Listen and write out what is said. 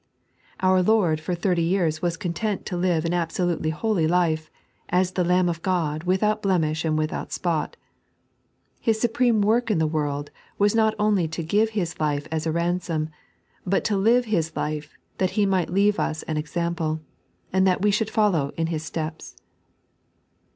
Our Lord for thirty years was content to live an absolutely holy life, as tbe Lamb of God without blemish and without spot ; and His supreme work in the world was not only to give His life as a ransom, but to live His life that He might leave us an example, and that we should follow in Hie steps.